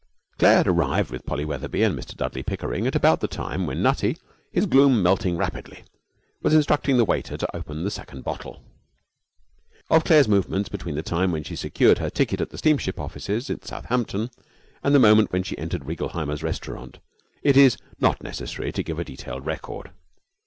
Claire had arrived with Polly Wetherby and Mr Dudley Pickering at about the time when Nutty, his gloom melting rapidly, was instructing the waiter to open the second bottle. Of Claire's movements between the time when she secured her ticket at the steamship offices at Southampton and the moment when she entered Reigelheimer's Restaurant it is not necessary to give a detailed record.